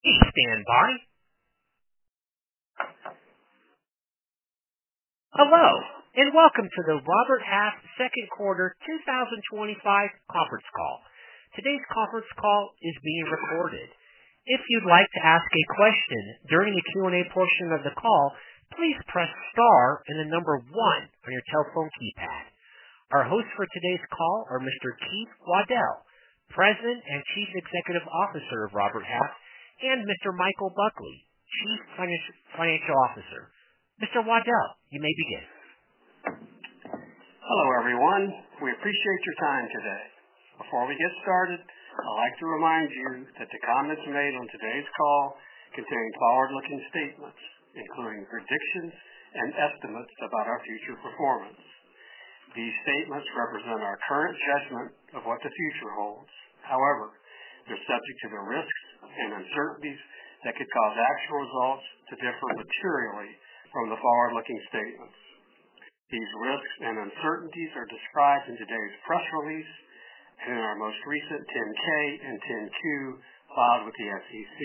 Please standby. Hello, and welcome to the Robert Half Second Quarter twenty twenty five Conference Call. Today's conference call is being recorded. Our hosts for today's call are Mr. Keith Waddell, President and Chief Executive Officer of Robert Half and Mr. Michael Buckley, Chief Financial Officer. Mr. Waddell, you may begin. Hello, everyone. We appreciate your time today. Before we get started, I'd like to remind you that the comments made on today's call contain forward looking statements, including predictions and estimates about our future performance. These statements represent our current judgment of what the future holds. However, they're subject to the risks and uncertainties that could cause actual results to differ materially from the forward looking statements. These risks and uncertainties are described in today's press release and in our most recent 10 ks and 10 Q filed with the SEC.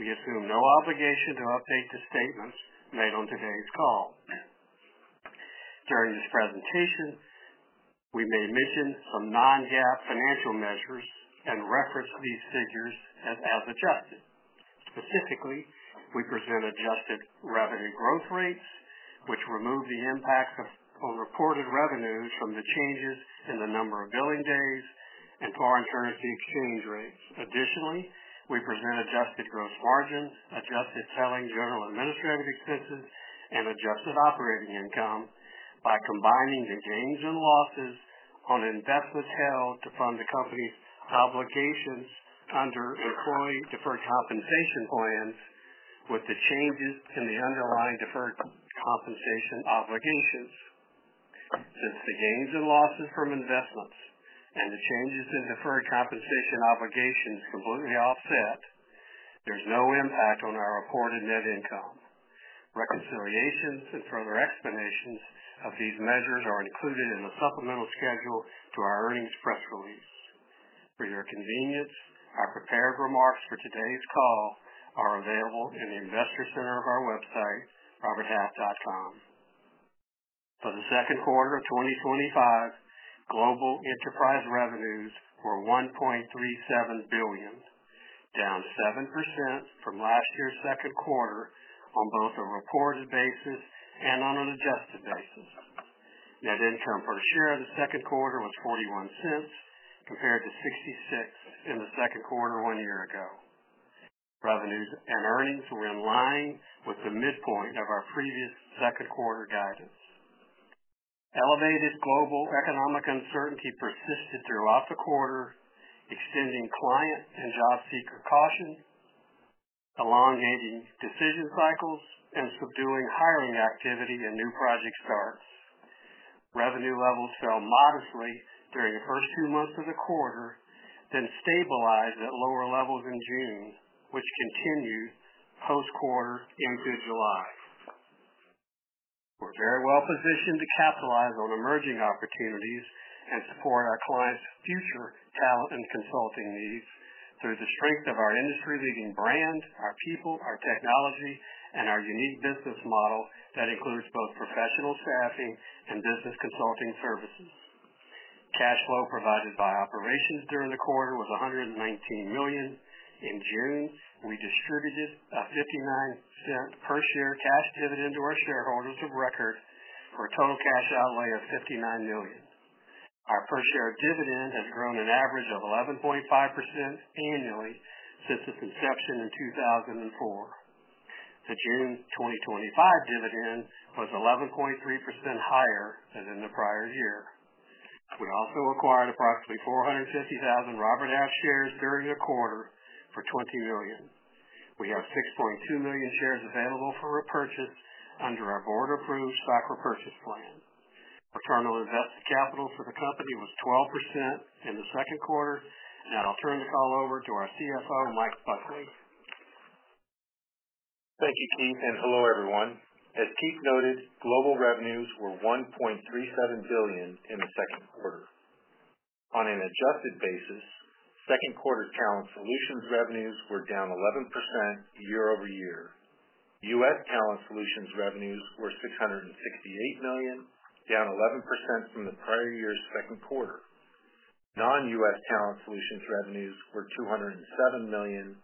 We assume no obligation to update the statements made on today's call. During this presentation, we may mention some non GAAP financial measures and reference these figures as adjusted. Specifically, we present adjusted revenue growth rates, which remove the impact of reported revenues from the changes in the number of billing days and foreign currency exchange rates. Additionally, we present adjusted gross margin, adjusted selling, general and administrative expenses and adjusted operating income by combining the gains and losses on investments held to fund the company's obligations under employee deferred compensation plans with the changes in the underlying deferred compensation obligations. Since the gains and losses from investments and the changes in deferred compensation obligations completely offset, there's no impact on our reported net income. Reconciliations and further explanations of these measures are included in the supplemental schedule to our earnings press release. For your convenience, our prepared remarks for today's call are available in the Investor Center of our website, roberthalf.com. For the second quarter of twenty twenty five, global enterprise revenues were $1,370,000,000 down 7% from last year's second quarter on both a reported basis and on an adjusted basis. Net income per share in the second quarter was $0.41 compared to $0.66 in the second quarter one year ago. Revenues and earnings were in line with the midpoint of our previous second quarter guidance. Elevated global economic uncertainty persisted throughout the quarter, extending client and job seeker caution, elongating decision cycles and subduing hiring activity and new project starts. Revenue levels fell modestly during the first two months of the quarter, then stabilized at lower levels in June, which continued post quarter into July. We're very well positioned to capitalize on emerging opportunities and support our clients' future talent and consulting needs through the strength of our industry leading brand, our people, our technology, and our unique business model that includes both professional staffing and business consulting services. Cash flow provided by operations during the quarter was $119,000,000 In June, we distributed a $0.59 per share cash dividend to our shareholders of record for a total cash outlay of $59,000,000 Our per share dividend has grown an average of 11.5% annually since its inception in 02/2004. The June 2025 dividend was 11.3 percent higher than in the prior year. We also acquired approximately 450,000 Robert Half shares during the quarter for $20,000,000 We have 6,200,000.0 shares available for repurchase under our Board approved stock repurchase plan. Return on invested capital for the company was 12% in the second quarter. Now I'll turn the call over to our CFO, Mike Buckley. Thank you, Keith, and hello, everyone. As Keith noted, global revenues were $1,370,000,000 in the second quarter. On an adjusted basis, second quarter Talent Solutions revenues were down 11% year over year. U. S. Talent Solutions revenues were $668,000,000 down 11% from the prior year's second quarter. Non U. S. Talent Solutions revenues were $2.00 $7,000,000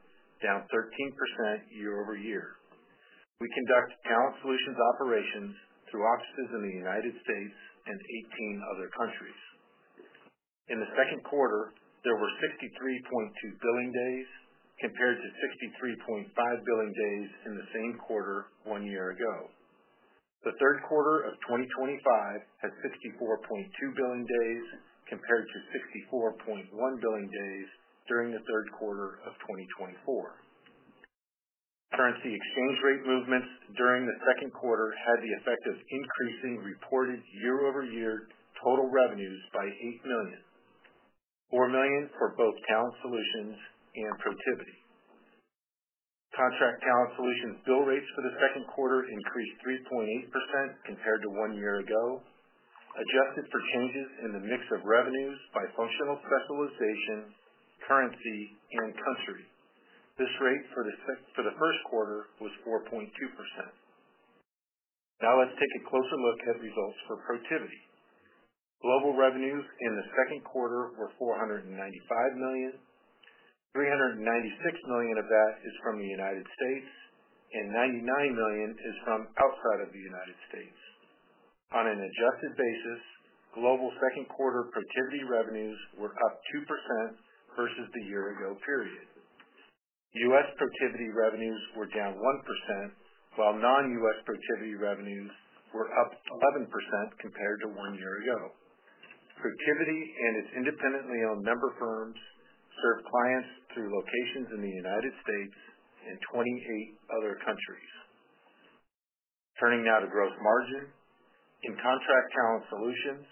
down 13% year over year. We conduct Talent Solutions operations through offices in The United States and 18 other countries. In the second quarter, there were sixty three point two billing days compared to sixty three point five billing days in the same quarter one year ago. The 2025 had 64.2 billing days compared to sixty four point one billing days during the third quarter of twenty twenty four. Currency exchange rate movements during the second quarter had the effect of increasing reported year over year total revenues by $8,000,000 $4,000,000 for both Talent Solutions and Protiviti. Contract Talent Solutions bill rates for the second quarter increased 3.8% compared to one year ago, adjusted for changes in the mix of revenues by functional specialization, currency and country. This rate for first quarter was 4.2%. Now let's take a closer look at results for Protiviti. Global revenues in the second quarter were $495,000,000 $396,000,000 of that is from The United States and $99,000,000 is from outside of The United States. On an adjusted basis, global second quarter Protiviti revenues were up 2% versus the year ago period. U. S. Protiviti revenues were down 1%, while non U. S. Protiviti revenues were up 11% compared to one year ago. Protiviti and its independently owned member firms serve clients through locations in The United States and 28 other countries. Turning now to gross margin. In Contract Talent Solutions,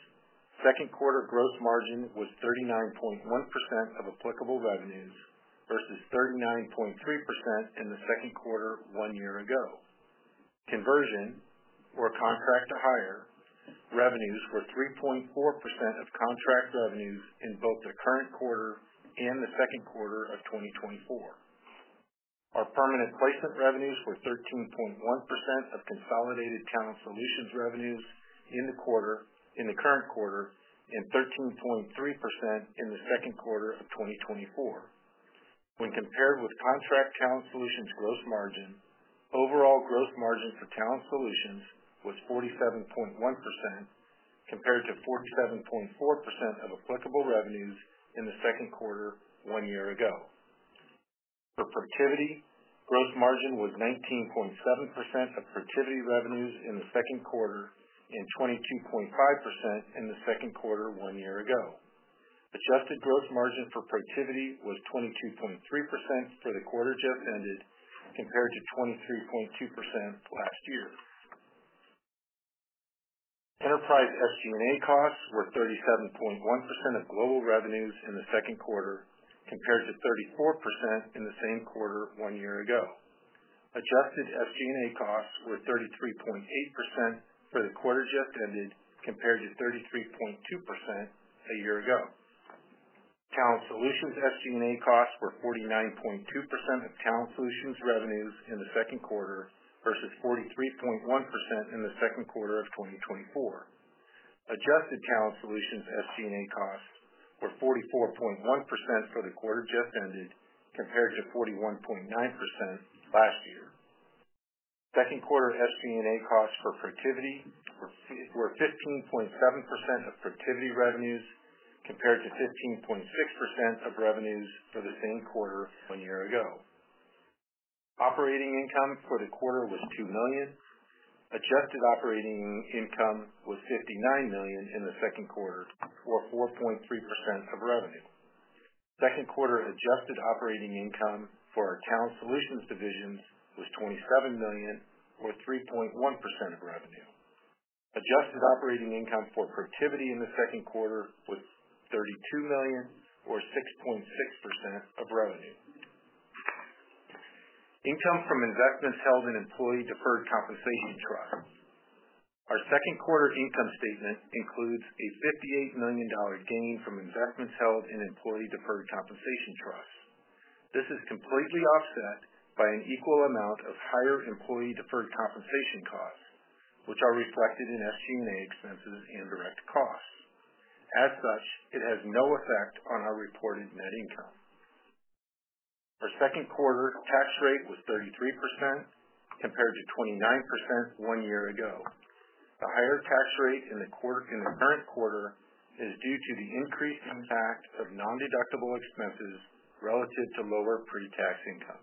second quarter gross margin was 39.1% of applicable revenues versus 39.3% in the second quarter one year ago. Conversion or contract to hire revenues were 3.4% of contract revenues in both the current quarter and the second quarter of twenty twenty four. Our permanent placement revenues were 13.1% of consolidated talent solutions revenues in the current quarter and 13.3% in the second quarter of twenty twenty four. When compared with Contract Talent Solutions gross margin, overall gross margin for Talent Solutions was 47.1% compared to 47.4% of applicable revenues in the second quarter one year ago. For Protiviti, gross margin was 19.7% of Protiviti revenues in the second quarter and twenty two point five percent in the second quarter one year ago. Adjusted gross margin for Protiviti was 22.3% for the quarter just ended compared to 23.2% last year. Enterprise SG and A costs were 37.1% of global revenues in the second quarter compared to 34% in the same quarter one year ago. Adjusted SG and A costs were 33.8% for the quarter just ended compared to 33.2% a year ago. Talent Solutions SG and A costs were 49.2 percent of Talent Solutions revenues in the second quarter versus 43.1% in the second quarter of twenty twenty four. Adjusted Talent Solutions SG and A costs were 44.1% for the quarter just ended compared to 41.9% last year. Second quarter SG and A costs for Protiviti were 15.7% of Protiviti revenues compared to 15.6% of revenues for the same quarter one year ago. Operating income for the quarter was $2,000,000 Adjusted operating income was $59,000,000 in the second quarter or 4.3% of revenue. Second quarter adjusted operating income for our Talent Solutions division was $27,000,000 or 3.1% of revenue. Adjusted operating income for Protiviti in the second quarter was $32,000,000 or 6.6 percent of revenue. Income from investments held in employee deferred compensation trust. Our second quarter income statement includes a $58,000,000 gain from investments held in employee deferred compensation trust. This is completely offset by an equal amount of higher employee deferred compensation costs, which are reflected in SG and A expenses and direct costs. As such, it has no effect on our reported net income. Our second quarter tax rate was 33% compared to twenty nine percent one year ago. The higher tax rate in the current quarter is due to the increased impact of nondeductible expenses relative to lower pretax income.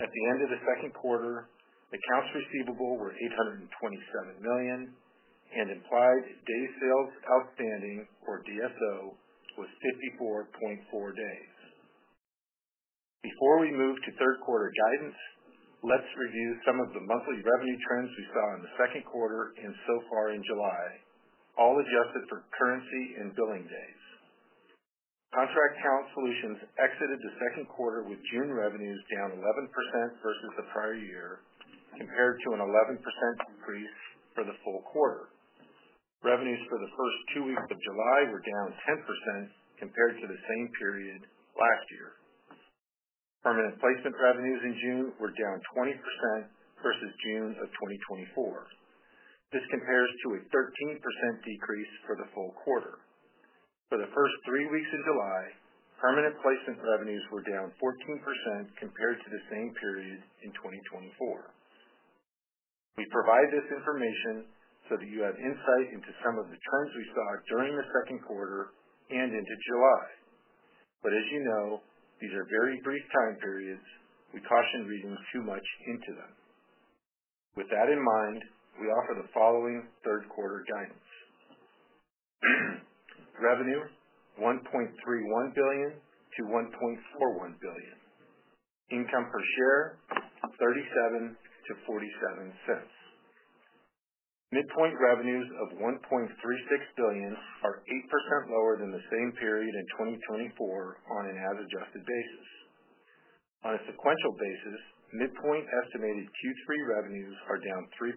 At the end of the second quarter, accounts receivable were $827,000,000 and implied days sales outstanding or DSO Before we move to third quarter guidance, let's review some of the monthly revenue trends we saw in the second quarter and so far in July, all adjusted for currency and billing days. Contract Account Solutions exited the second quarter with June revenues down 11% versus the prior year compared to an 11% increase for the full quarter. Revenues for the July were down 10% compared to the same period last year. Permanent placement revenues in June were down 20% versus June. This compares to a 13% decrease for the full quarter. For the first three weeks in July, permanent placement revenues were down 14% compared to the same period in 2024. We provide this information so that you have insight into some of the trends we saw during the second quarter and into July. But as you know, these are very brief time periods, we caution reading too much into them. With that in mind, we offer the following third quarter guidance: Revenue $1,310,000,000 to $1,410,000,000 Income per share $0.37 to $0.47 Midpoint revenues of $1,360,000,000 are 8% lower than the same period in 2024 on an as adjusted basis. On a sequential basis, Midpoint estimated Q3 revenues are down 3%.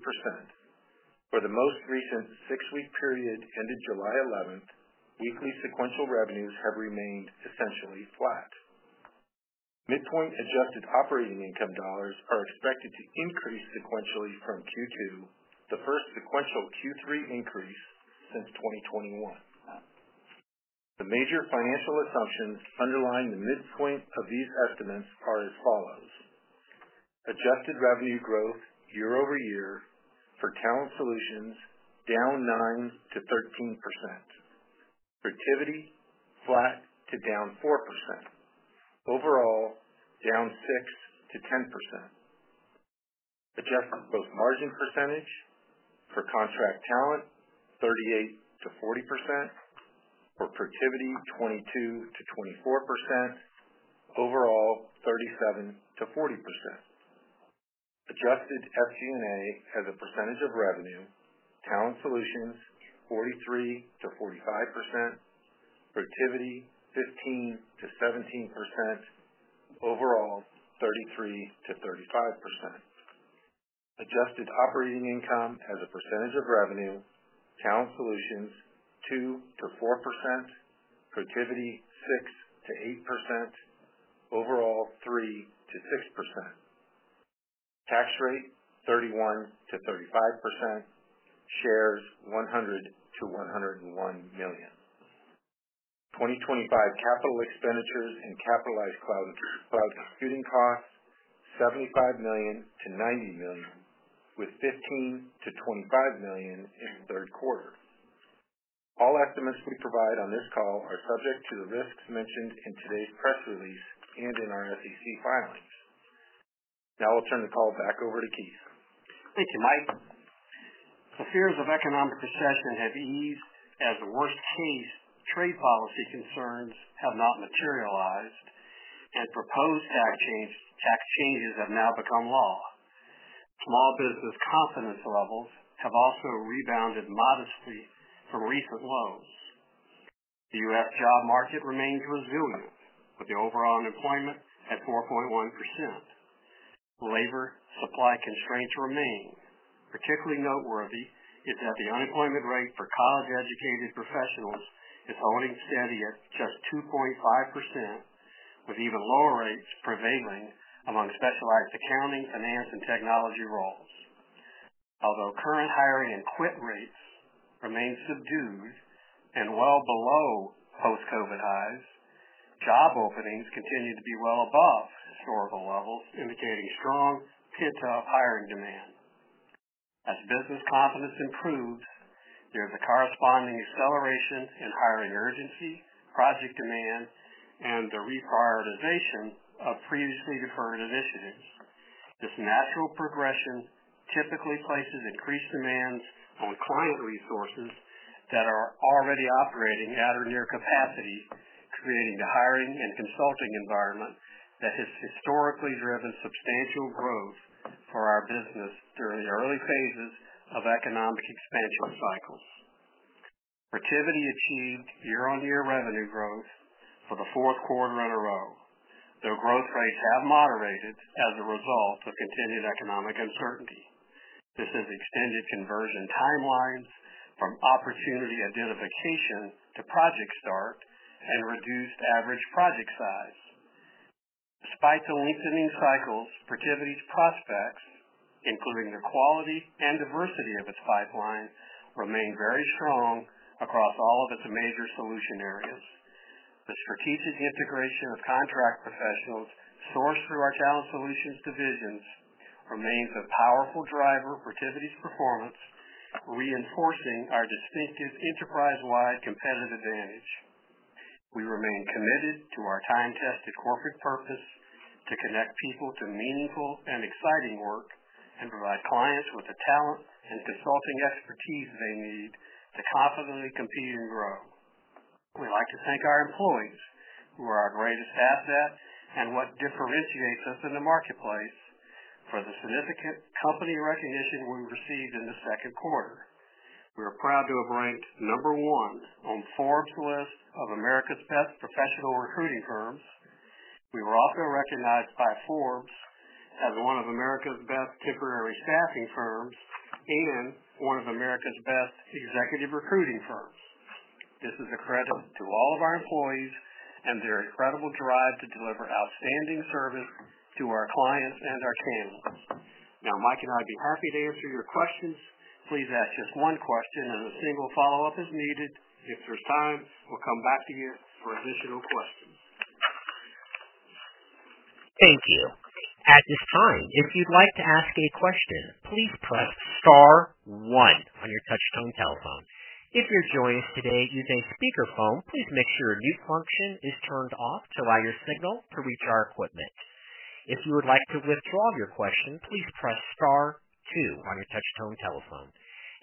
For the most recent six week period ended July 11, weekly sequential revenues have remained essentially flat. Midpoint adjusted operating income dollars are expected to increase sequentially from Q2, the first sequential Q3 increase since 2021. The major financial assumptions underlying the midpoint of these estimates are as follows: adjusted revenue growth year over year for Talent Solutions, down nine to 13% Protiviti, flat to down 4% overall, down 6% to 10% adjusted gross margin percentage for contract talent, 38 to 40% for Protiviti, 22% to 24% overall, 37% to 40% Adjusted SG and A as a percentage of revenue, Talent Solutions 43% to 45%, Protiviti 15% to 17%, overall 33% to 35%. Adjusted operating income as a percentage of revenue talent solutions 2% to 4% Protiviti 6% to 8% overall 3% to 6% tax rate, 31% to 35 shares, 100,000,000 to $101,000,020.25 capital expenditures and capitalized cloud computing costs, $75,000,000 to $90,000,000 with 15,000,000 to $25,000,000 in the third quarter. All estimates we provide on this call are subject to the risks mentioned in today's press release and in our SEC filings. Now I'll turn the call back over to Keith. Thank you, Mike. The fears of economic recession have eased as the worst case trade policy concerns have not materialized and proposed tax change tax changes have now become law. Small business confidence levels have also rebounded modestly from recent lows. The US job market remains resilient with the overall unemployment at 4.1%. Labor supply constraints remain, particularly noteworthy is that the unemployment rate for college educated professionals is holding steady at just 2.5% with even lower rates prevailing among specialized accounting, finance, and technology roles. Although current hiring and quit rates remain subdued and well below post COVID highs, job openings continue to be well above historical levels indicating strong pent up hiring demand. As business confidence improves, there's a corresponding acceleration in hiring urgency, project demand, and the reprioritization of previously deferred initiatives. This natural progression typically places increased demands on client resources that are already operating at or near capacity, creating the hiring and consulting environment that has historically driven substantial growth for our business during the early phases of economic expansion cycles. Protiviti achieved year on year revenue growth for the fourth quarter in a row, though growth rates have moderated as a result of continued economic uncertainty. This has extended conversion time lines from opportunity identification to project start and reduced average project size. Despite the lengthening cycles, Protiviti's prospects, including the quality and diversity of its pipeline, remain very strong across all of its major solution areas. The strategic integration of contract professionals sourced through our Talent Solutions divisions remains a powerful driver for Tivity's performance, reinforcing our distinctive enterprise wide competitive advantage. We remain committed to our time tested corporate purpose to connect people to meaningful and exciting work and provide clients with the talent and consulting expertise they need to confidently compete and grow. We'd like to thank our employees who are our greatest asset and what differentiates us in the marketplace for the significant company recognition we received in the second quarter. We are proud to have ranked number one on Forbes list of America's best professional recruiting firms. We were also recognized by Forbes as one of America's best temporary staffing firms and one of America's best executive recruiting firms. This is a credit to all of our employees and their incredible drive to deliver outstanding service to our clients and our channels. Now Mike and I'd be happy to answer your questions. Please ask just one question and a single follow-up is needed. If there's time, we'll come back to you for additional questions. Thank you. At this time, if you'd like to ask a question, please press star one on your touch tone telephone. If you're joining us today using a speakerphone, please make sure mute function is turned off to allow your signal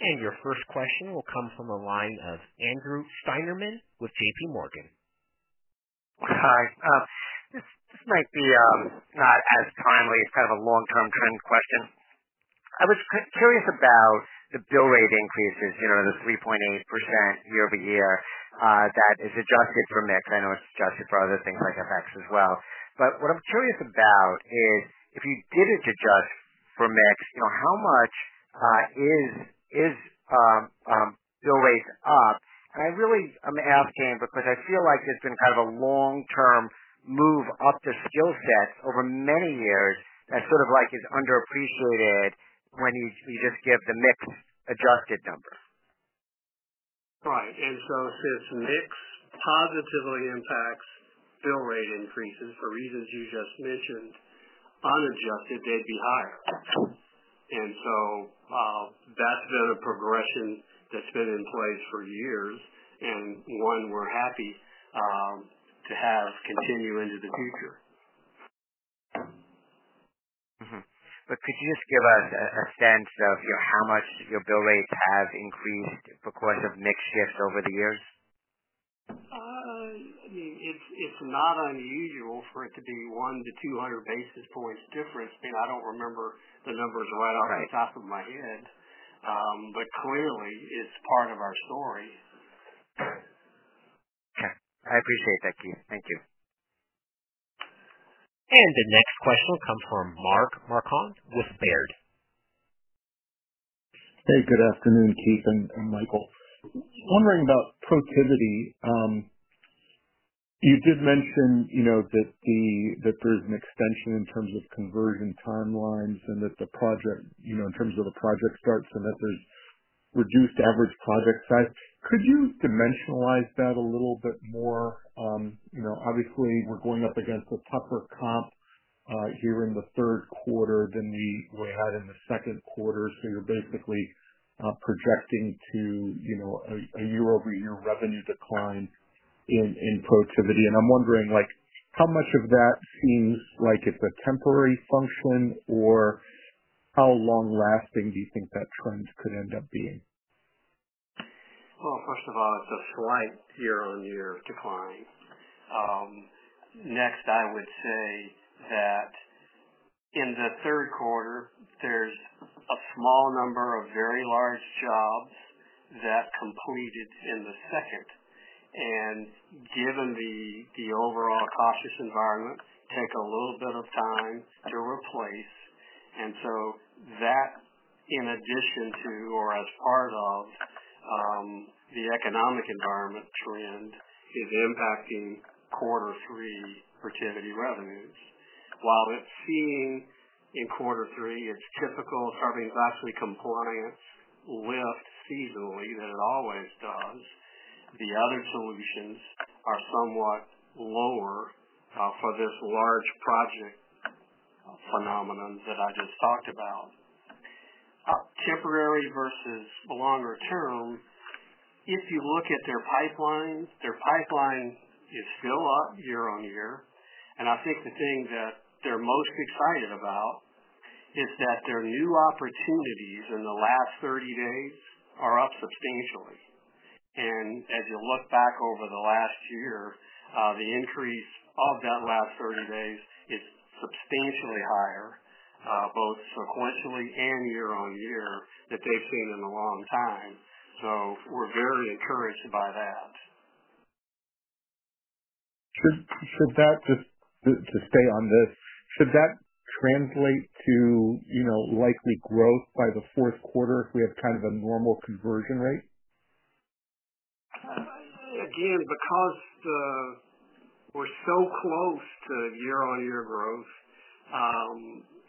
And your first question will come from the line of Andrew Steinerman with JPMorgan. This might be not as timely. It's kind of a long term trend question. I was curious about the bill rate increases, the 3.8% year over year that is adjusted for mix. I know it's adjusted for other things like FX as well. But what I'm curious about is if you didn't adjust for mix, you know, how much is is bill rates up? And I really I'm asking because I feel like there's been kind of a long term move up the skill set over many years that sort of, like, is underappreciated when you you just give the mix adjusted number. Right. And so since mix positively impacts bill rate increases for reasons you just mentioned, unadjusted, they'd be higher. And so that's been a progression that's been in place for years and one we're happy to have continue into the future. Mhmm. But could you just give us a a sense of, you know, how much your bill rates have increased because of mix shift over the years? I mean, it's it's not unusual for it to be one to 200 basis I I don't remember the numbers right off But the top of my clearly, it's part of our story. Okay. I appreciate that, Keith. Thank you. And the next question comes from Mark Marcon with Baird. Hey. Good afternoon, Keith and Michael. Wondering about Protiviti. You did mention, you know, that the that there's an extension in terms of conversion time lines and that the project, you know, in terms of the project starts and that there's reduced average project size. Could you dimensionalize that a little bit more? Obviously, we're going up against a tougher comp here in the third quarter than we had in the second quarter. So you're basically projecting to a year over year revenue decline in in productivity. And I'm wondering, like, how much of that seems like it's a temporary function or how long lasting do you think that trend could end up being? Well, first of all, it's a slight year on year decline. Next, I would say that in the third quarter, there's a small number of very large jobs that completed in the second. And given the the overall cautious environment, take a little bit of time to replace. And so that, in addition to or as part of the economic environment trend is impacting quarter three Protiviti revenues. While it's seeing in quarter three, it's typical, it's having vastly compliance lift seasonally than it always does. The other solutions are somewhat lower for this large project phenomenon that I just talked about. Temporary versus longer term, if you look at their pipeline, their pipeline is still up year on year. And I think the thing that they're most excited about is that their new opportunities in the last thirty days are up substantially. And as you look back over the last year, the increase of that last thirty days is substantially higher, both sequentially and year on year that they've seen in a long time. So we're very encouraged by that. Should should that just to to stay on this, should that translate to, you know, likely growth by the fourth quarter if we have kind of a normal conversion rate? Again, because the we're so close to year on year growth,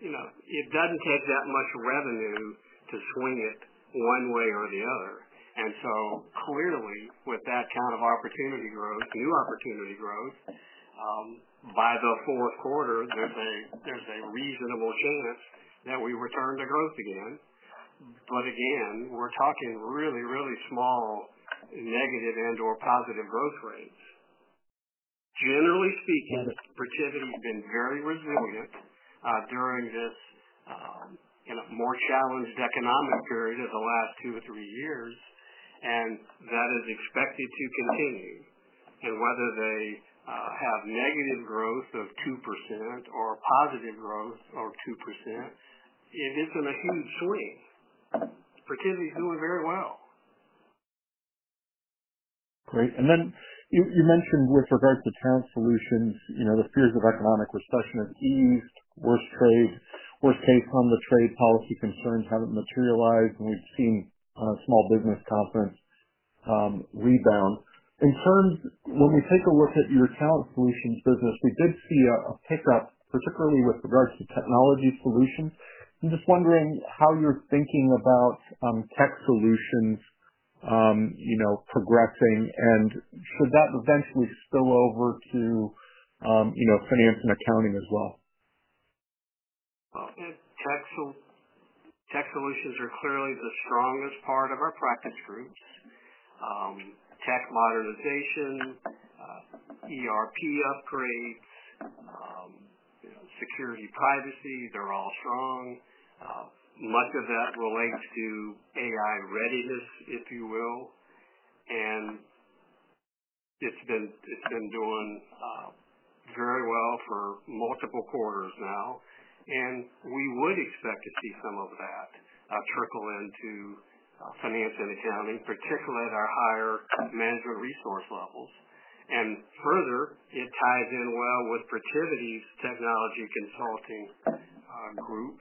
You know, it doesn't take that much revenue to swing it one way or the other. And so clearly, with that kind of opportunity growth, new opportunity growth, by the fourth quarter, there's a there's a reasonable chance that we return to growth again. But again, we're talking really, really small negative and or positive growth rates. Generally speaking, Protiviti has been very resilient during this, you know, more challenged economic period of the last two or three years, and that is expected to continue. And whether they have negative growth of 2% or positive growth of 2%, it isn't a huge swing. Opportunity is doing very well. Great. And then you you mentioned with regards to Talent Solutions, you know, the fears of economic recession have eased, worst trade worst case on the trade policy concerns haven't materialized, and we've seen small business conference rebound. In terms when we take a look at your account solutions business, we did see a a pickup, particularly with regards to technology solutions. I'm just wondering how you're thinking about tech solutions, you know, progressing. And should that eventually spill over to, you know, finance and accounting as well? Well, tech tech solutions are clearly the strongest part of our practice groups. Tech modernization, ERP upgrades, you know, security privacy, they're all strong. Much of that relates to AI readiness, if you will, And it's been it's been doing very well for multiple quarters now. And we would expect to see some of that trickle into finance and accounting, particularly at our higher management resource levels. And further, it ties in well with Protiviti's technology consulting group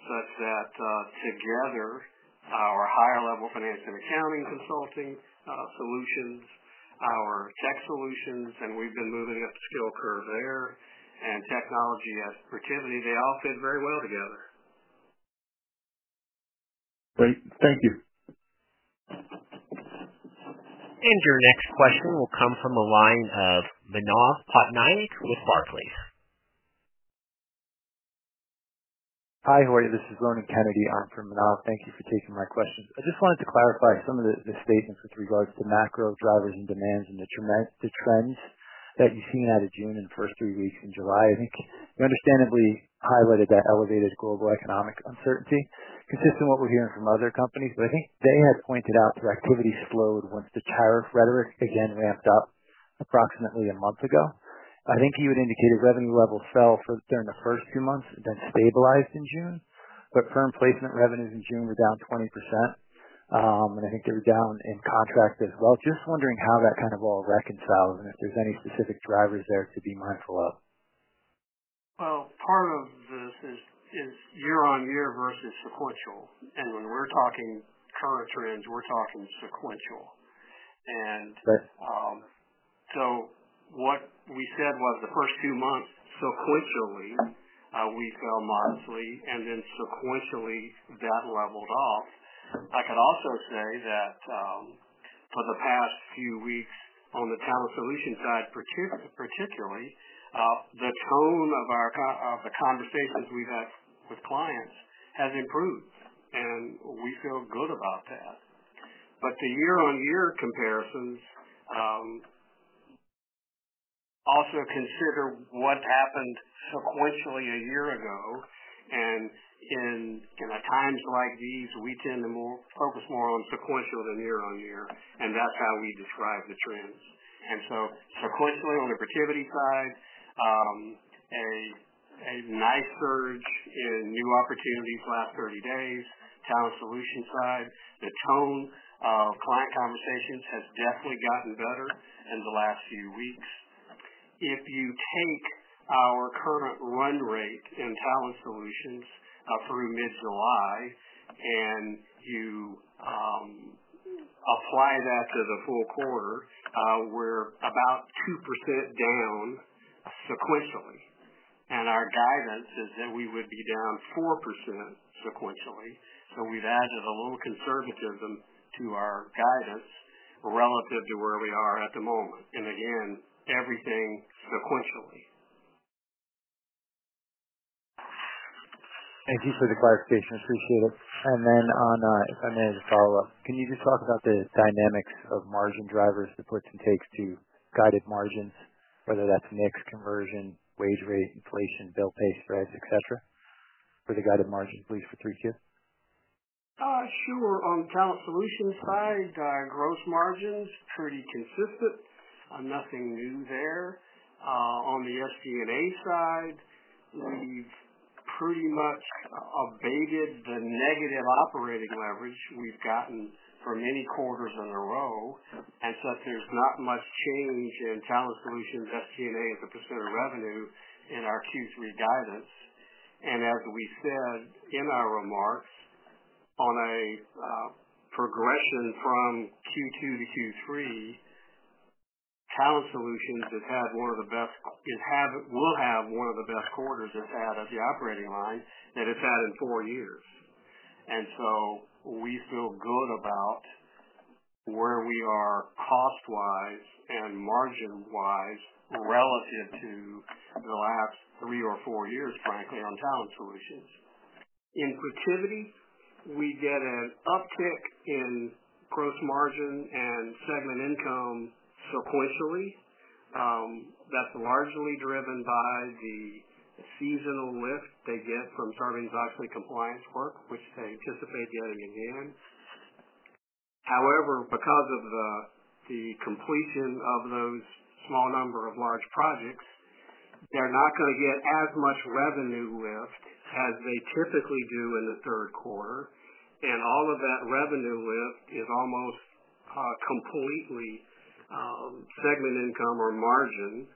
such that together, our higher level finance and accounting consulting solutions, our tech solutions, and we've been moving up the skill curve there, and technology has Protiviti, they all fit very well together. Great. Thank you. And your next question will come from the line of Manav Patnaik with Barclays. Jorge. This is Ronan Kennedy on for Manav. Thank you for taking my questions. I just wanted to clarify some of the the statements with regards to macro drivers and demands and the trends that you've seen out of June and first three weeks in July. I think you understandably highlighted that elevated global economic uncertainty, consistent with we're hearing from other companies. But I think they had pointed out that activity slowed once the tariff rhetoric again ramped up approximately a month ago. I think you had indicated revenue levels fell for during the first two months, then stabilized in June. But firm placement revenues in June were down 20%. And I think they were down in contract as well. Just wondering how that kind of all reconciles and if there's any specific drivers there to be mindful of. Well, part of this is is year on year versus sequential. And when we're talking current trends, we're talking sequential. And Right. So what we said was the first two months sequentially, we fell modestly, and then sequentially, that leveled off. I can also say that for the past few weeks on the Talent Solutions side, particularly, the tone of our of the conversations we've had with clients has improved, and we feel good about that. But the year on year comparisons also consider what happened sequentially a year ago. And in in a times like these, we tend to more focus more on sequential than year on year, and that's how we describe the trends. And so sequentially on the Protiviti side, a a nice surge in new opportunities last thirty days, talent solution side, the tone of client conversations has definitely gotten better in the last few weeks. If you take our current run rate in Talent Solutions through mid July and you apply that to the full quarter, we're about 2% down sequentially. And our guidance is that we would be down 4% sequentially. So we've added a little conservatism to our guidance relative to where we are at the moment, and again, everything sequentially. Thank you for the clarification. Appreciate it. And then on if I may, as a follow-up. Can you just talk about the dynamics of margin drivers, the puts and takes to guided margins, whether that's mix conversion, wage rate, inflation, bill pay spreads, etcetera, for the guided margin, please, for 3Q? Sure. On Talent Solutions side, gross margin's pretty consistent. Nothing new there. On the SG and A side, we've pretty much abated the negative operating leverage we've gotten for many quarters in a row, and such there's not much change in Talent Solutions SG and A as a percent of revenue in our q three guidance. And as we said in our remarks, on a progression from q two to q three, Talent Solutions has had one of the best it have will have one of the best quarters it's had at the operating line that it's had in four years. And so we feel good about where we are cost wise and margin wise relative to the last three or four years, frankly, on talent solutions. In Protiviti, we get an uptick in gross margin and segment income sequentially. That's largely driven by the seasonal lift they get from Sarbanes Oxley compliance work, which they anticipate getting in the end. However, because of the the completion of those small number of large projects, they're not gonna get as much revenue lift as they typically do in the third quarter. And all of that revenue lift is almost completely segment income or margin.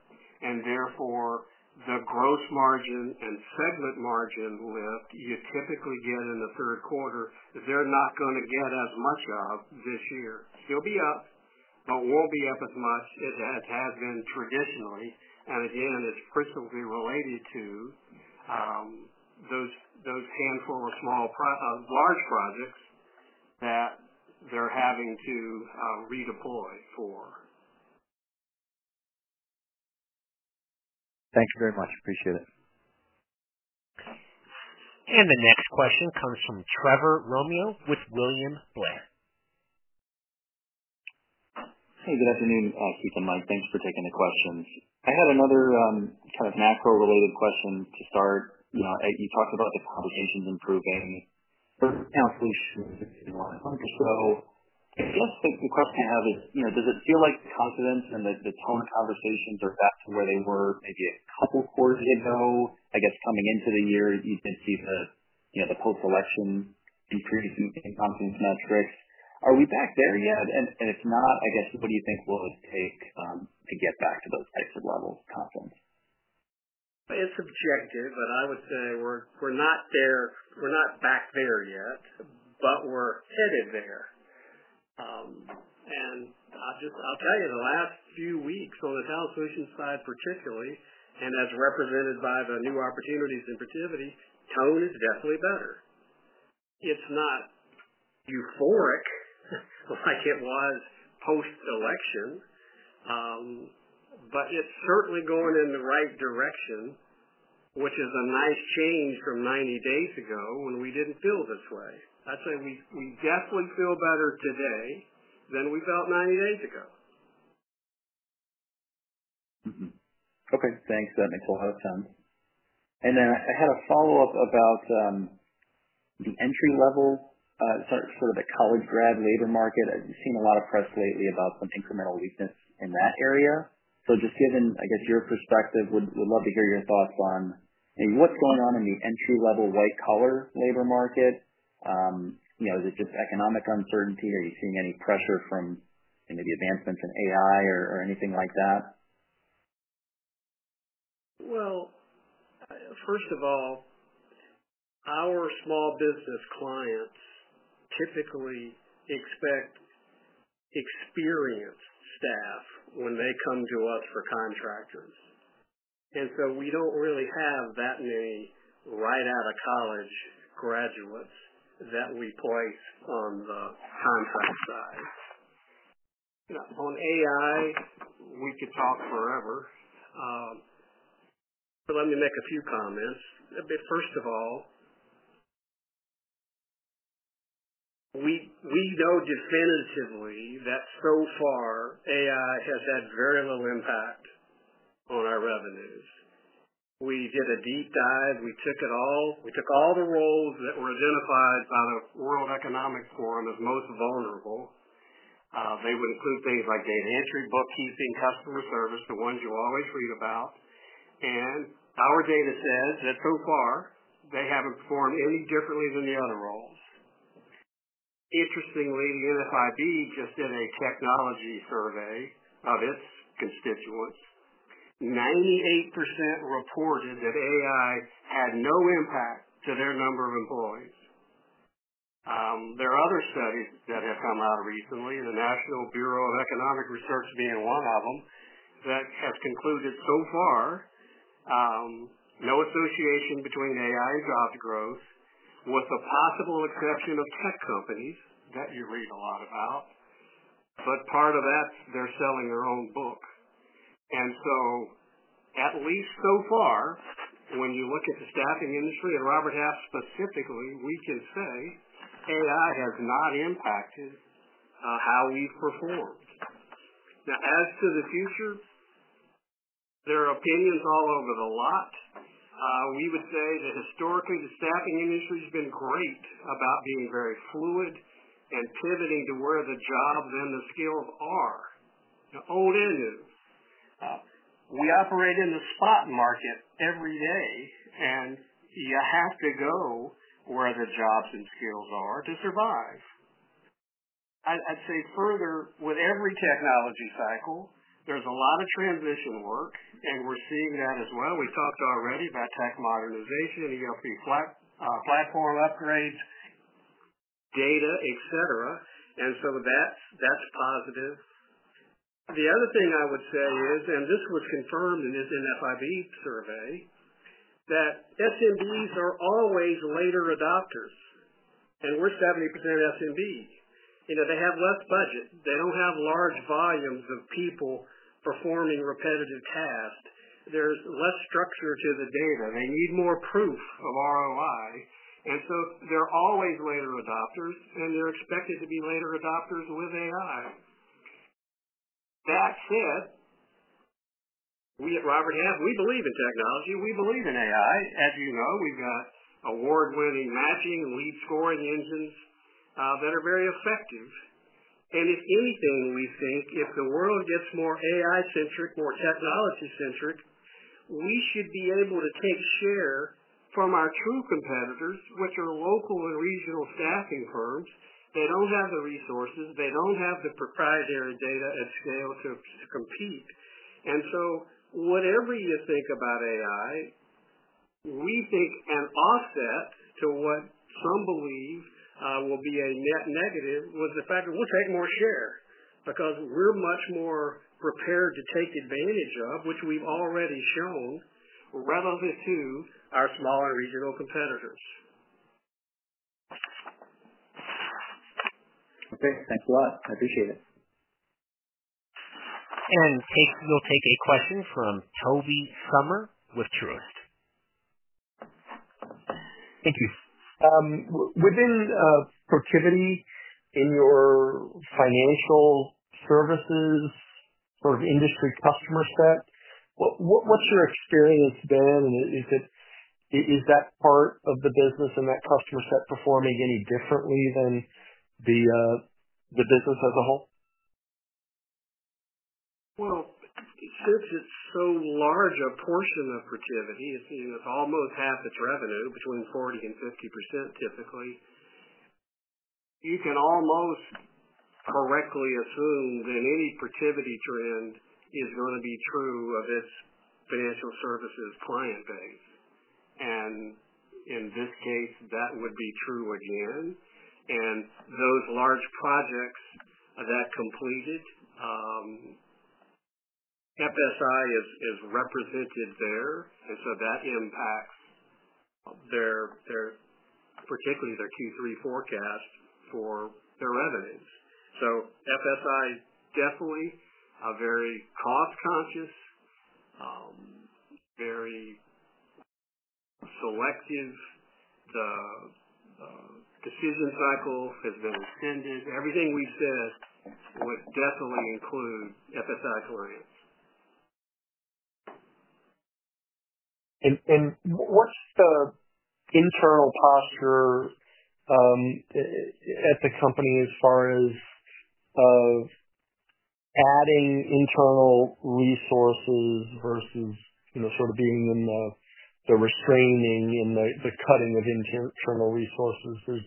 And therefore, the gross margin and segment margin lift you typically get in the third quarter, they're not gonna get as much of this year. Still be up, but won't be up as much as it has been traditionally. And, again, it's principally related to those those handful of small large projects that they're having to redeploy for. Thanks very much. Appreciate it. And the next question comes from Trevor Romeo with William Blair. Hey. Good afternoon, Keith and Mike. Thanks for taking the questions. I had another kind of macro related question to start. You know, you talked about the conversations improving. So I guess, like, the question I have is, you know, does it feel like confidence and the the tone of conversations are back to where they were maybe a couple of quarters ago? I guess, coming into the year, you can see the, you know, the post election decreasing in confidence metrics. Are we back there yet? And and if not, I guess, what do you think will it take to get back to those types of levels of confidence? It's subjective, but I would say we're we're not there. We're not back there yet, but we're headed there. And I just I'll tell you the last few weeks on the Talent Solutions side particularly, and as represented by the new opportunities in Protiviti, tone is definitely better. It's not euphoric like it was post election, but it's certainly going in the right direction, which is a nice change from ninety days ago when we didn't feel this way. I'd say we we definitely feel better today than we felt ninety days ago. Mhmm. Okay. Thanks. That makes a lot of sense. And then I had a follow-up about the entry level sort of the college grad labor market. I've seen a lot of press lately about some incremental weakness in that area. So just given, I guess, your perspective, would would love to hear your thoughts on what's going on in the entry level white collar labor market. You know, is it just economic uncertainty? Are you seeing any pressure from any of the advancements in AI or or anything like that? Well, first of all, our small business clients typically expect experienced staff when they come to us for contractors. And so we don't really have that many right out of college graduates that we place on the contract side. Yeah. On AI, we could talk forever. But let me make a few comments. First of all, we we know definitively that so far AI has had very little impact on our revenues. We did a deep dive. We took it all. We took all the roles that were identified by the World Economic Forum as most vulnerable. They would include things like data entry, bookkeeping, customer service, the ones you always read about. And our data says that so far, they haven't performed any differently than the other roles. Interestingly, NFIB just did a technology survey of its constituents. 98% reported that AI had no impact to their number of employees. There are other studies that have come out recently, the National Bureau of Economic Research being one of them, that has concluded so far no association between AI job growth with the possible exception of tech companies that you read a lot about. But part of that, they're selling their own book. And so at least so far, when you look at the staffing industry and Robert Half specifically, we can say AI has not impacted how we performed. Now as to the future, there are opinions all over the lot. We would say that historically, the staffing industry has been great about being very fluid and pivoting to where the jobs and the skills are. The old and new. We operate in the spot market every day, and you have to go where the jobs and skills are to survive. I'd I'd say further with every technology cycle, there's a lot of transition work, and we're seeing that as well. We talked already about tech modernization, EFP flat platform upgrades, data, etcetera. And so that's that's positive. The other thing I would say is, and this was confirmed in this NFIB survey, that SMBs are always later adopters. And we're 70% SMB. You know, they have less budget. They don't have large volumes of people performing repetitive tasks. There's less structure to the data. They need more proof of ROI. And so they're always later adopters, and they're expected to be later adopters with AI. That said, we at Robert Half, we believe in technology. We believe in AI. As you know, we've got award winning matching, lead scoring engines that are very effective. And if anything, we think if the world gets more AI centric, more technology centric, we should be able to take share from our true competitors, which are local and regional staffing firms. They don't have the resources, they don't have the proprietary data at scale to to compete. And so whatever you think about AI, we think an offset to what some believe will be a net negative was the fact that we'll take more share because we're much more prepared to take advantage of, which we've already shown relative to our smaller regional competitors. Okay. Thanks a lot. I appreciate it. And take we'll take a question from Toby Summer with Truist. Thank you. Within Protiviti, in your financial services or industry customer set, what what what's your experience been? And is it is that part of the business and that customer set performing any differently than the the business as a whole? Well, since it's so large a portion of Protiviti, it's, you know, it's almost half its revenue between 4050% typically, you can almost correctly assume that any Protiviti trend is gonna be true of its financial services client base. And in this case, that would be true again. And those large projects that completed, FSI is is represented there. And so that impacts their their particularly their q three forecast for their revenues. So FSI definitely are very cost conscious, very selective. The the decision cycle has been extended. Everything we've said would definitely include FSI clients. And and what's the internal posture at the company as far as adding internal resources versus, you know, sort of being in the restraining and the the cutting of internal resources?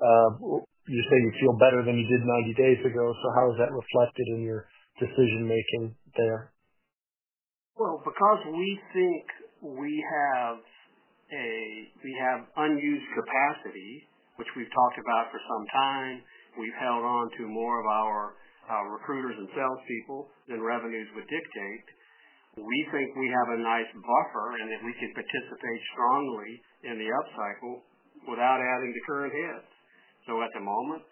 Say you feel better than you did ninety days ago. So how is that reflected in your decision making there? Well, because we think we have a we have unused capacity, which we've talked about for some time, we've held on to more of our recruiters and salespeople than revenues would dictate. We think we have a nice buffer and that we can participate strongly in the up cycle without adding the current hit. So at the moment,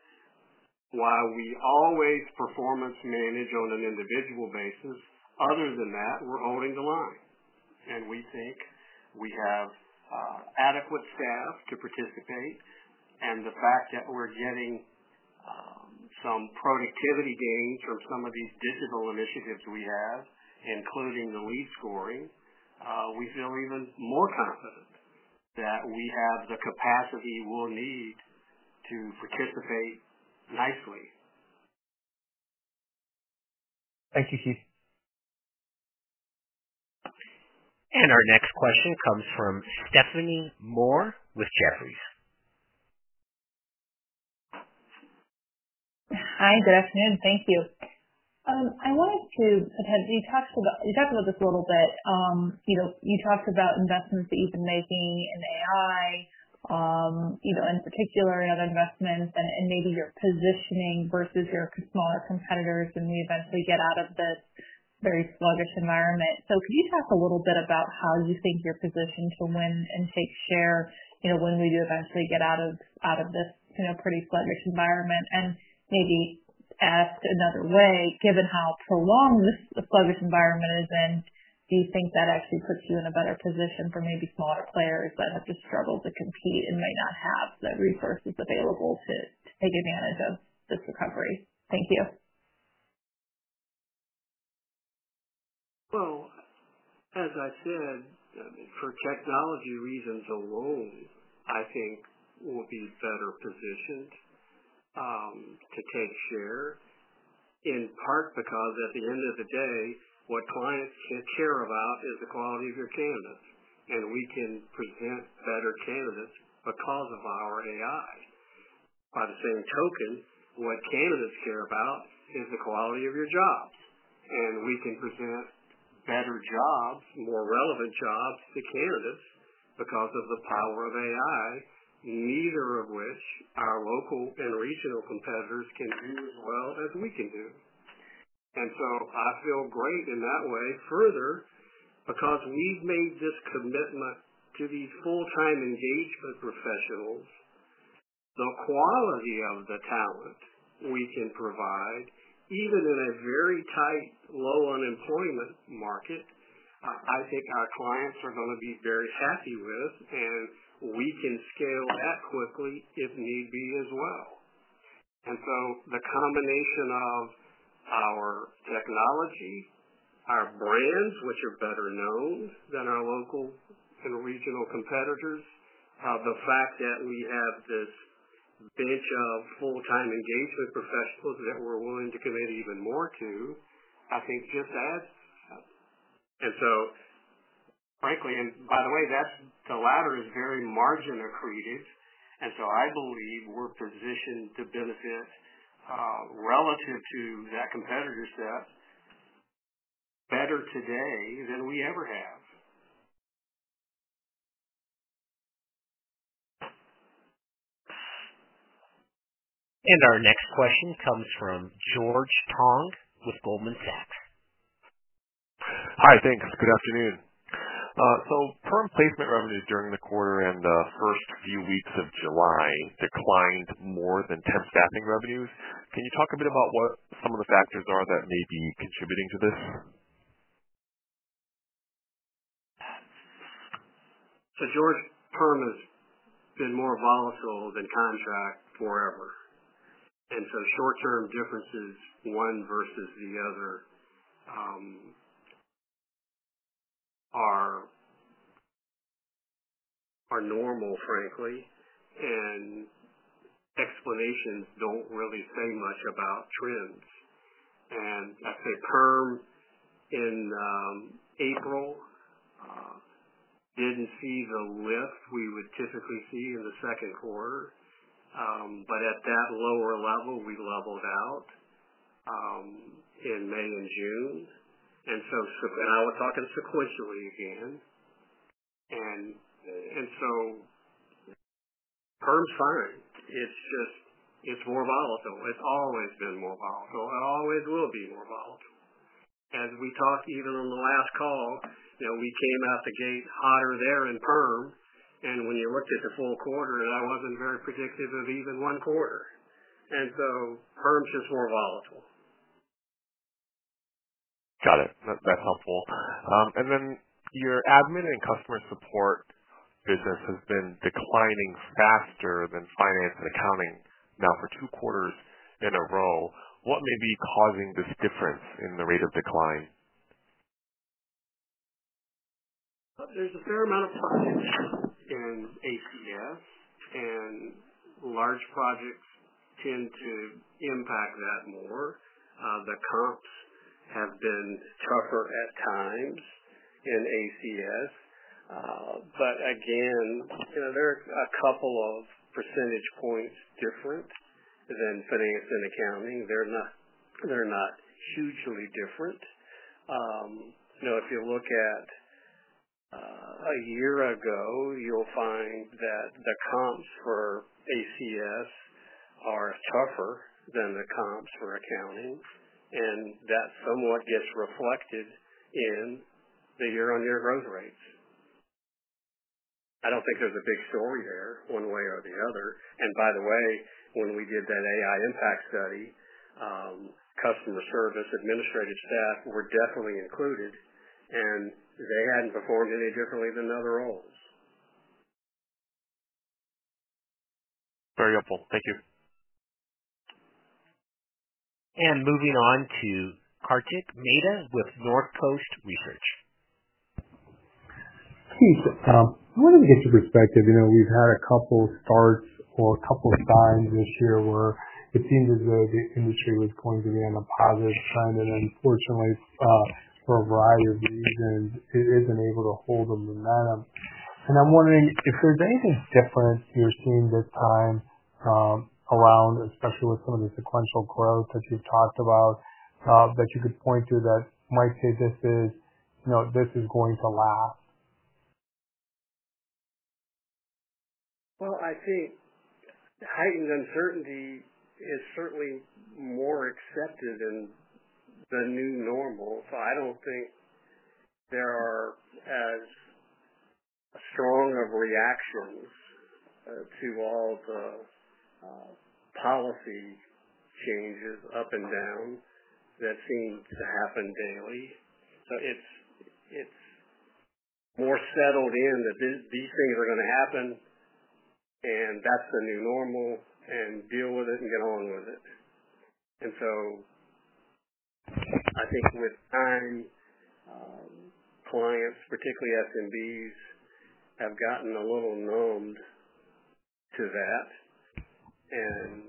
while we always performance manage on an individual basis, other than that, we're holding the line. And we think we have adequate staff to participate. And the fact that we're getting some productivity gains from some of these digital initiatives we have, including the lead scoring, we feel even more confident that we have the capacity we'll need to participate nicely. Thank you, Keith. And our next question comes from Stephanie Moore with Jefferies. I wanted to you about you talked talked about this a little bit. You know, you talked about investments that you've been making in AI, you know, in particular, other investments and maybe your positioning versus your smaller competitors, and we eventually get out of this very sluggish environment. So could you talk a little bit about how you think you're positioned to win and take share when we do eventually get out of this pretty sluggish environment? And maybe asked another way, given how prolonged this sluggish environment is in, do you think that actually puts you in a better position for maybe smaller players that have to struggle to compete and might not have the resources available to to take advantage of this recovery? Thank you. Well, as I said, for technology reasons alone, I think we'll be better positioned to take share in part because at the end of the day, what clients can care about is the quality of your candidates, and we can present better candidates because of our AI. By the same token, what candidates care about is the quality of your jobs, and we can present better jobs, more relevant jobs to candidates because of the power of AI, neither of which our local and regional competitors can do as well as we can do. And so I feel great in that way further because we've made this commitment to these full time engagement professionals, the quality of the talent we can provide even in a very tight, low unemployment market, I think our clients are gonna be very happy with, and we can scale that quickly if need be as well. And so the combination of our technology, our brands, which are better known than our local and regional competitors, The fact that we have this bench of full time engagement professionals that we're willing to commit even more to, I think, just adds. And so, frankly and by the way, that's the latter is very margin accretive. And so I believe we're positioned to benefit relative to that competitor set better today than we ever have. And our next question comes from George Tong with Goldman Sachs. Hi. Thanks. Good afternoon. So perm placement revenues during the quarter and the first few weeks of July declined more than temp staffing revenues. Can you talk a bit about what some of the factors are that may be contributing to this? So, George, perm has been more volatile than contract forever. And so short term differences, one versus the other, are are normal, frankly, and explanations don't really say much about trends. And I say perm in April didn't see the lift we would typically see in the second quarter. But at that lower level, we leveled out in May and June. And so so and I was talking sequentially again. And and so firm's fine. It's just it's more volatile. It's always been more volatile. It always will be more volatile. As we talked even on the last call, you know, we came out the gate higher there in perm. And when you looked at the full quarter, that wasn't very predictive of even one quarter. And so perm is just more volatile. Got it. That's that's helpful. And then your admin and customer support business has been declining faster than finance and accounting now for two quarters in a row. What may be causing this difference in the rate of decline? There's a fair amount of projects in ACS, and large projects tend to impact that more. The comps have been tougher at times in ACS. But, again, you know, there are a couple of percentage points different than finance and accounting. They're not they're not hugely different. You know, if you look at a year ago, you'll find that the comps for ACS are tougher than the comps for accounting, and that somewhat gets reflected in the year on year growth rates. I don't think there's a big story there one way or the other. And by the way, when we did that AI impact study, customer service administrative staff were definitely included, and they hadn't performed any differently than other roles. Very helpful. Thank you. And moving on to Kartik Mehta with Northcoast Research. Keith, I wanted to get your perspective. You know, we've had a couple starts or a couple of times this year where it seems as though the industry was going to be on a positive trend. Unfortunately, for a variety of reasons, it isn't able to hold the momentum. And I'm wondering if there's anything different you're seeing this time around, especially with some of the sequential growth that you've talked about, that you could point to that might say this is you know, this is going to last? Well, I think heightened uncertainty is certainly more accepted than the new normal. So I don't think there are as strong of reactions to all the policy changes up and down that seems to happen daily. So it's it's more settled in that these these things are gonna happen, and that's the new normal, and deal with it and get on with it. And so I think with time, clients, particularly SMBs, have gotten a little numbed to that. And,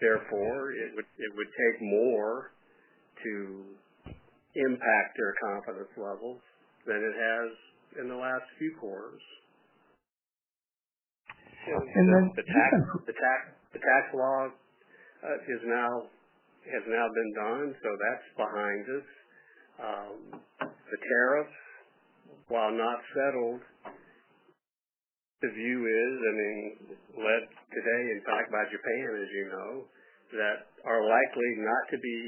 therefore, it would it would take more to impact their confidence levels than it has in the last few quarters. So And then The tax the tax the tax law is now has now been done, so that's behind us. The tariffs, while not settled, the view is, I mean, led today, in fact, by Japan, as you know, that are likely not to be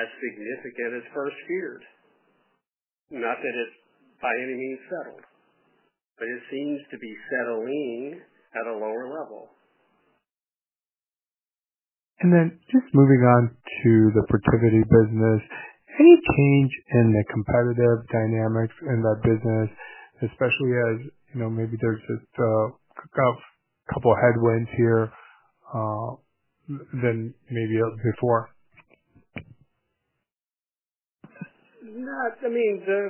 as significant as first feared. Not that it's by any means settled, but it seems to be settling at a lower level. And then just moving on to the Protiviti business. Any change in the competitive dynamics in that business, especially as, you know, maybe there's just a couple of headwinds here than maybe before. Not I mean, the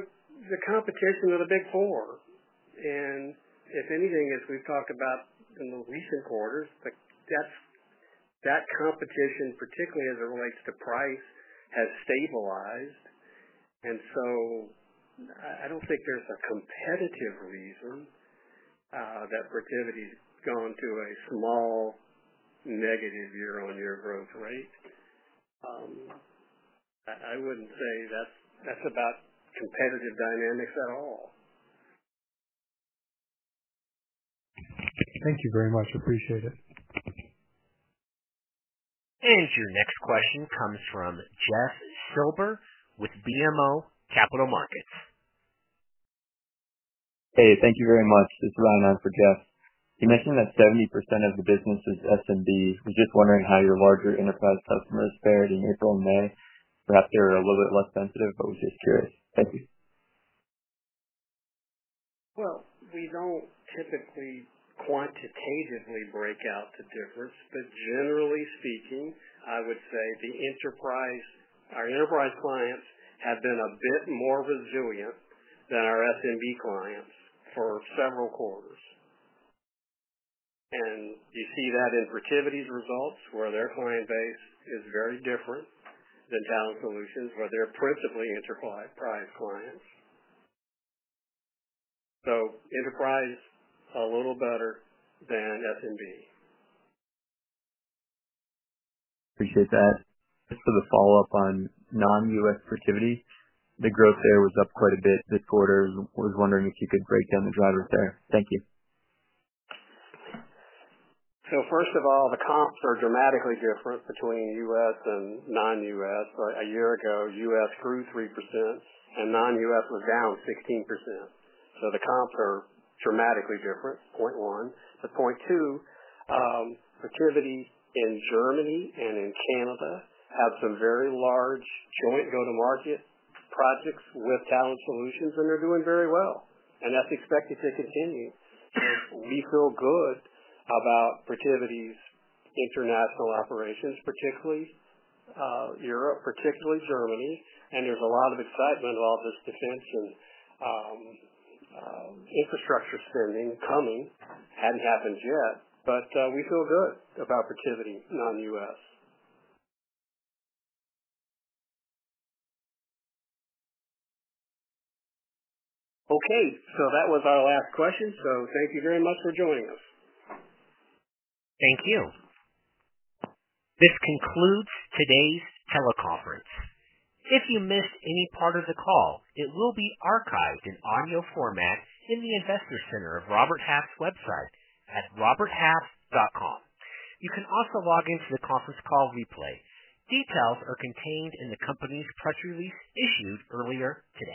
the competition is a big four. And if anything, as we've talked about in the recent quarters, like, that's that competition, particularly as it relates to price, has stabilized. And so I I don't think there's a competitive reason that Protiviti has gone to a small negative year on year growth rate. I wouldn't say that's that's about competitive dynamics at all. Thank you very much. Appreciate it. And your next question comes from Jeff Silber with BMO Capital Markets. Hey, thank you very much. It's Ryan on for Jeff. You mentioned that 70% of the business is SMB. I'm just wondering how your larger enterprise customers fared in April and May. Perhaps they're a little bit less sensitive, I was just curious. Thank you. Well, we don't typically quantitatively break out the difference. But generally speaking, I would say the enterprise our enterprise clients have been a bit more resilient than our SMB clients for several quarters. And you see that in Protiviti's results where their client base is very different than Talent Solutions where they're principally enterprise clients. So enterprise, a little better than SMB. Appreciate that. Just for the follow-up on non US productivity, the growth there was up quite a bit this quarter. I was wondering if you could break down the drivers there. So first of all, the comps are dramatically different between U. S. And non U. S. A year ago, U. S. Grew 3% and non US was down 16%. So the comps are dramatically different, point one. But point two, activity in Germany and in Canada have some very large joint go to market projects with Talent Solutions, and they're doing very well. And that's expected to continue. We feel good about Protiviti's international operations, particularly Europe, particularly Germany. And there's a lot of excitement about this defense and infrastructure spending coming, hadn't happened yet. But we feel good about Protiviti, not in The US. Okay. So that was our last question. So thank you very much for joining us. Thank you. This concludes today's teleconference. If you missed any part of the call, it will be archived in audio format in the Investor Center of Robert Half's website at roberthalf.com. You can also log in to the conference call replay. Details are contained in the company's press release issued earlier today.